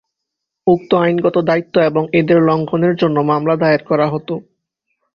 উক্ত আইনগত দায়িত্ব এবং এদের লঙ্ঘনের জন্য মামলা দায়ের করা হতো।